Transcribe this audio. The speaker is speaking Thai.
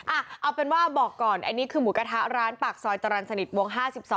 เอาเป็นว่าบอกก่อนอันนี้คือหมูกระทะร้านปากซอยจรรย์สนิทวง๕๒